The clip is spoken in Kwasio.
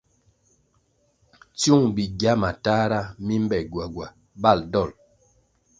Tsyung bigya matahra mi mbe gwagwa bal dol.